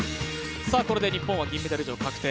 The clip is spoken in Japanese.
これで日本は銀メダル以上確定。